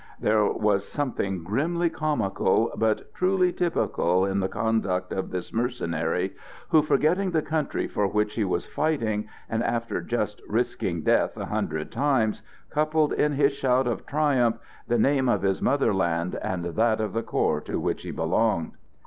There was something grimly comical, but truly typical, in the conduct of this mercenary, who, forgetting the country for which he was fighting, and after just risking death a hundred times, coupled in his shout of triumph the name of his motherland and that of the corps to which he belonged.